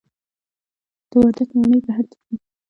د وردګو مڼې بهر ته ځي؟